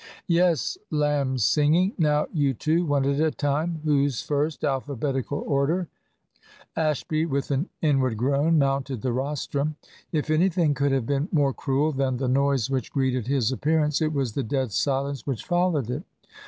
"Yes, lamb's singing. Now, you two, one at a time. Who's first? Alphabetical order." Ashby, with an inward groan, mounted the rostrum. If anything could have been more cruel than the noise which greeted his appearance, it was the dead silence which followed it.